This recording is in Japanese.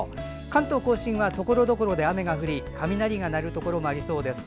関東・甲信はところどころで雨が降り雷が鳴るところもありそうです。